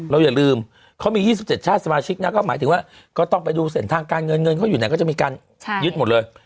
อย่าลืมเขามี๒๗ชาติสมาชิกนะก็หมายถึงว่าก็ต้องไปดูเส้นทางการเงินเงินเขาอยู่ไหนก็จะมีการยึดหมดเลย